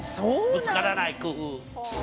ぶつからない工夫。